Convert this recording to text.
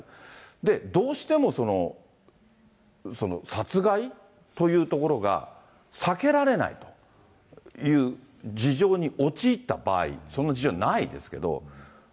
で、どうしても殺害というところが避けられないという事情に陥った場合、その事情はないんですけど。